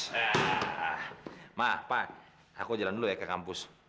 hah ma pak aku jalan dulu ya ke kampus